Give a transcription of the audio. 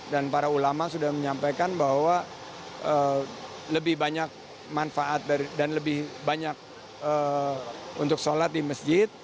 dan para ulama sudah menyampaikan bahwa lebih banyak manfaat dan lebih banyak untuk sholat di masjid